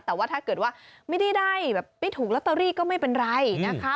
แต่ว่าถ้าเกิดว่าไม่ได้ได้แบบไม่ถูกลอตเตอรี่ก็ไม่เป็นไรนะคะ